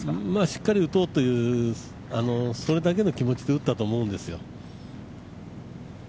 しっかり打とうという気持ちだけで打ったと思うんですよ。